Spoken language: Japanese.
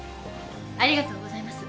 ありがとうございます。